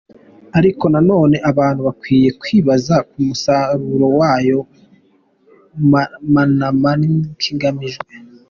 Ariko na none abantu bakwiye kwibaza ku musaruro w’ayo manama n’ikigamijwe.